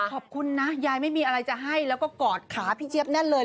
ขอบคุณนะยายไม่มีอะไรจะให้แล้วก็กอดขาพี่เจี๊ยบแน่นเลย